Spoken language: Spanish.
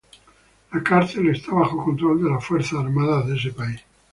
La cárcel está bajo control de las Fuerzas Armadas de ese país.